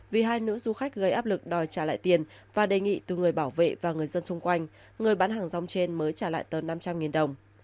vì hai nữ du khách gây áp lực đòi trả lại tiền và đề nghị từ người bảo vệ và người dân xung quanh người bán hàng rong trên mới trả lại tờ năm trăm linh đồng